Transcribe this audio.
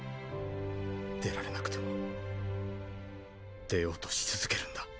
出られなくても出ようとし続けるんだ。